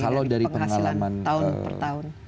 kalau dari penghasilan tahun per tahun